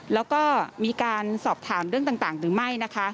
แล้วก็มีการสอบถามเรื่องต่างหรือไม่นะคะ